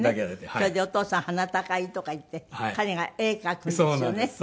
それで「お父さん鼻高い？」とか言って彼が絵描くんですよね。